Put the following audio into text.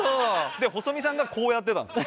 で細美さんがこうやってたんですよ。